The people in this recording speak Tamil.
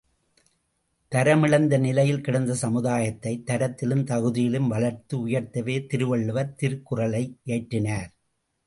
தரமிழந்த நிலையில் கிடந்த சமுதாயத்தைத் தரத்திலும் தகுதியிலும் வளர்த்து உயர்த்தவே திருவள்ளுவர் திருக்குறளை இயற்றினார்.